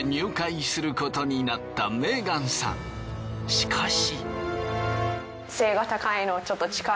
しかし。